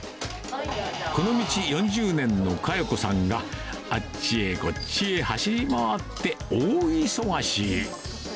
この道４０年の香代子さんが、あっちへこっちへ走り回って、大忙し。